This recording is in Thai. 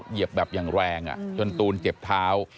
เหยียบแบบอย่างแรงจนตูนเจ็บเท้า